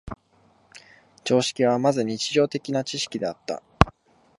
常識はまず日常的な知識であった。